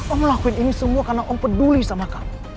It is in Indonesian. om lakuin ini semua karena om peduli sama kamu